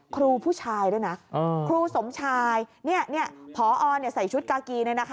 ครูผู้ชายด้วยนะครูสมชายพอใส่ชุดกากี